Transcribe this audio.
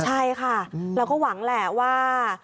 ใช่ค่ะเราก็หวังแหละว่า